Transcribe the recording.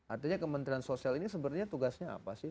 artinya kementerian sosial ini sebenarnya tugasnya apa sih